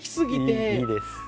いいです。